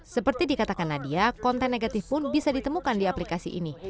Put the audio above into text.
seperti dikatakan nadia konten negatif pun bisa ditemukan di aplikasi ini